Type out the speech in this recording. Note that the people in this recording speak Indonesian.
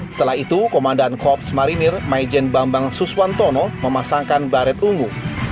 setelah itu komandan korps marinir maijen bambang suswantono memasangkan baret ungu